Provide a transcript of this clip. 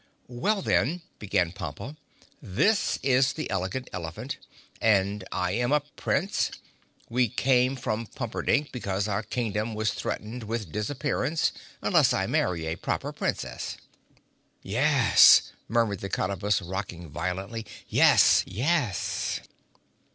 "Well, then," began Pompa, "this is the Elegant Elephant and I am a Prince. We came from Pumperdink because our Kingdom was threatened with disappearance unless I marry a Proper Princess." [Illustration: (unlabelled)] "Yes," murmured the Cottabus, rocking violently. "Yes, yes!"